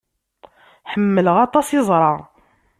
Ḥemmleɣ aṭas iẓra.